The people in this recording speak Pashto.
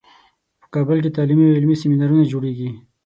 په کابل کې تعلیمي او علمي سیمینارونو جوړیږي